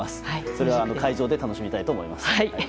それは会場で楽しみたいと思います。